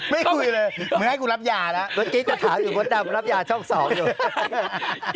มึงให้กูรับยาละเมื่อกี้จะถามอยู่บนดำรับยาช่อง๒อยู่